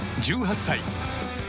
騎、１８歳。